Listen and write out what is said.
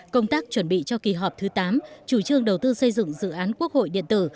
công tác chuẩn bị cho kỳ họp thứ tám chủ trương đầu tư xây dựng dự án quốc hội điện tử